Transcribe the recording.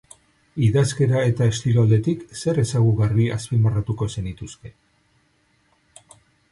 Idazkera eta estilo aldetik, zer ezaugarri azpimarratuko zenituzke?